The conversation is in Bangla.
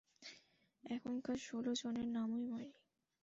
এখানকার ষোল জনের নামই মারি।